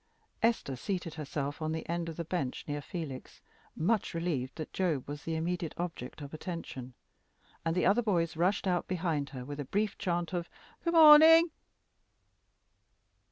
Esther seated herself on the end of the bench near Felix, much relieved that Job was the immediate object of attention; and the other boys rushed out behind her with a brief chant of "Good morning!"